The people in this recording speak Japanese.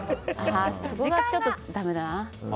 そこがちょっとだめだな。